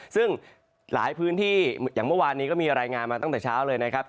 ซึ่งหลายพื้นที่อย่างเมื่อวานนี้ก็มีรายงานมาตั้งแต่เช้าเลยนะครับ